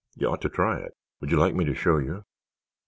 You ought to try it. Would you like me to show you?"